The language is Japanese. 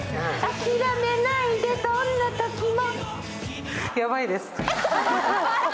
諦めないでどんなときも！